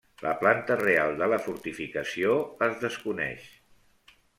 La planta real de la fortificació es desconeix.